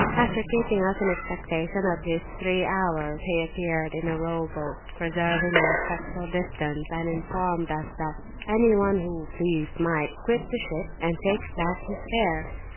After keeping us in expectation at least three hours, he appeared in a row boat, preserving a respectful distance, and informed us that any one who pleased might quit the ship and take back his fare.